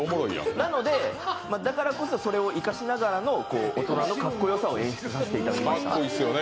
なので、だからこそそれを生かしながらの大人のかっこよさを演出させていただきました。